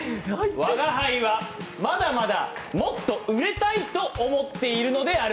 吾輩はまだまだもっと売れたいと思っているのである。